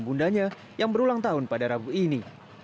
bundanya yang berulang tahun pada rabu ini